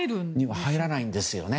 入らないんですよね。